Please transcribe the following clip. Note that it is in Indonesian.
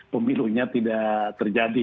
pemilunya tidak terjadi